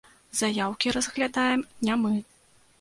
Заяўкі разглядаем не мы.